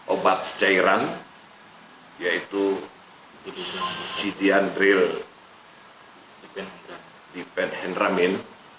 obat cairan yaitu sidiadril divenhedramin